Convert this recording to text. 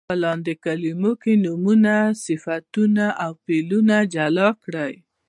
په لاندې کلمو کې نومونه، صفتونه او فعلونه جلا کړئ.